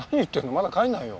まだ帰らないよ。